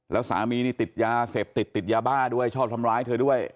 แล้วสามีนี่ติดยาเสพติดติดยาบ้าด้วยชอบทำร้ายเธอด้วย